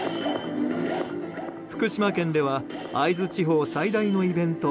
福島県では会津地方最大のイベント